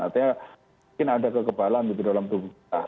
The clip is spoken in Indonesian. artinya mungkin ada kekebalan gitu dalam tubuh kita